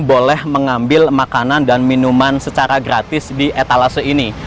boleh mengambil makanan dan minuman secara gratis di etalase ini